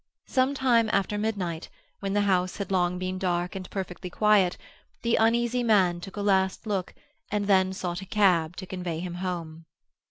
Some time after midnight, when the house had long been dark and perfectly quiet, the uneasy man took a last look, and then sought a cab to convey him home.